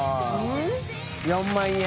△４万円。